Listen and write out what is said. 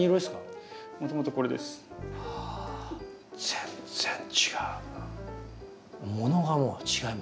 全然違う。